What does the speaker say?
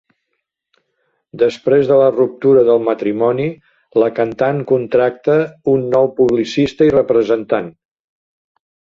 Després de la ruptura del matrimoni, la cantant contracta un nou publicista i representant.